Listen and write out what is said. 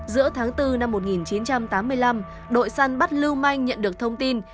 giữa tháng bốn năm một nghìn chín trăm tám mươi năm đội săn bắt lưu manh nhận được thông tin